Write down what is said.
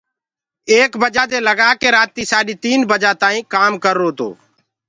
ايڪ بجآنٚ دي لگآ ڪي رآتيٚ سآڏيٚ تيٚن بجآ تآئيٚنٚ ڪآم ڪررو تو